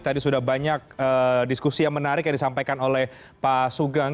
tadi sudah banyak diskusi yang menarik yang disampaikan oleh pak sugeng